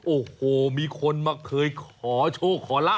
โอ้โหมีคนมาเคยขอโชคขอลาบ